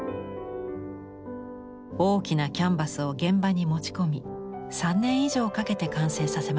大きなキャンバスを現場に持ち込み３年以上かけて完成させました。